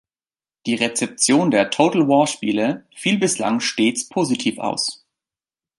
Die Rezeption der "Total-War"-Spiele fiel bislang stets positiv aus.